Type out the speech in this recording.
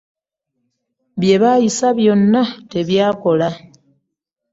Bye baayisa byonna tebyakola.